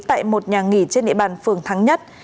tại một nhà nghỉ trên địa bàn phường thắng nhất